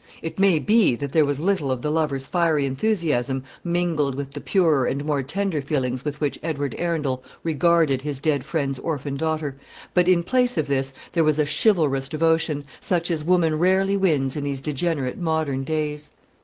It may be that there was little of the lover's fiery enthusiasm mingled with the purer and more tender feelings with which Edward Arundel regarded his dead friend's orphan daughter; but in place of this there was a chivalrous devotion, such as woman rarely wins in these degenerate modern days.